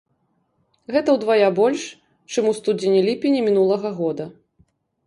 Гэта ўдвая больш, чым у студзені-ліпені мінулага года.